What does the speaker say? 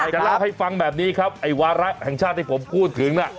จะเล่าให้ฟังแบบนี้ครับไอ้วาระแห่งชาติที่ผมพูดถึงน่ะ